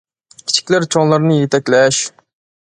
كىچىكلەر چوڭلارنى يېتەكلەش.